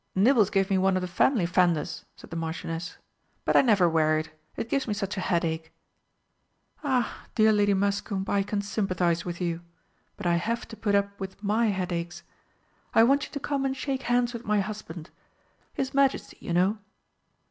"Nibbles gave me one of the family fenders," said the Marchioness, "but I never wear it it gives me such a headache." "Ah, dear Lady Muscombe, I can sympathise with you but I have to put up with my headaches. I want you to come and shake hands with my husband His Majesty, you know."